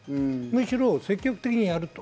むしろ積極的にやると。